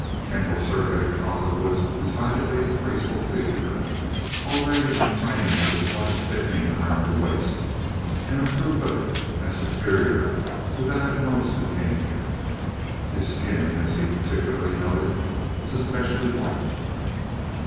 Kendall surveyed Cowperwood's decidedly graceful figure, already inclining to a slight thickening around the waist, and approved of it as superior to that of most who came here. His skin, as he particularly noted, was especially white.